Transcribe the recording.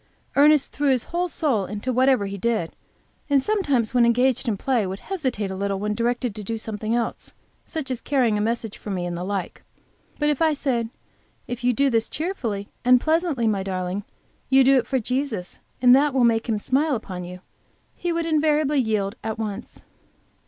Ernest threw his whole soul into whatever he did, and sometimes when engaged in play would hesitate a little when directed to do something else, such as carrying a message for me, and the like. But if I said, "If you do this cheerfully and pleasantly, my darling, you do it for Jesus, and that will make Him smile upon you," he would invariably yield at once.